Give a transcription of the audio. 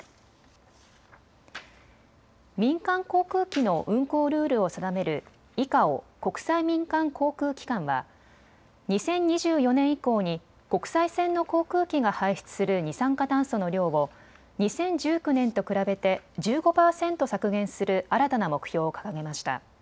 民間航空機の運航ルールを定めるＩＣＡＯ・国際民間航空機関は２０２４年以降に国際線の航空機が排出する二酸化炭素の量を２０１９年と比べて１５％削減する新たな目標を掲げました。